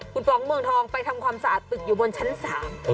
คุณป๋องเมืองทองไปทำความสะอาดตึกอยู่บนชั้นสาม